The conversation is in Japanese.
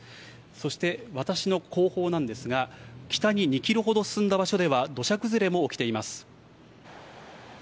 そして私の後方なんですが、北に２キロほど進んだ場所では、土砂崩れも起きています。